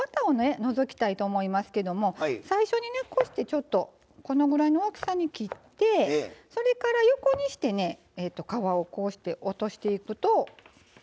除きたいと思いますけども最初にねこうしてちょっとこのぐらいの大きさに切ってそれから横にしてね皮をこうして落としていくと。